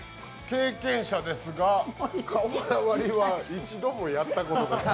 経験者ですが、瓦割りは一度もやったことないです。